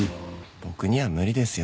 僕には無理ですよ。